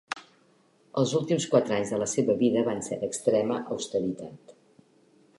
Els últims quatre anys de la seva vida van ser d'extrema austeritat.